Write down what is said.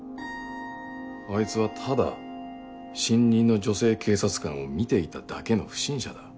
あいつはただ新任の女性警察官を見ていただけの不審者だ。